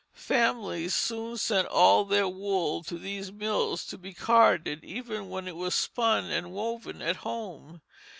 Families soon sent all their wool to these mills to be carded even when it was spun and woven at home.